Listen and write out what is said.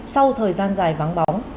sau thời gian dài vắng bóng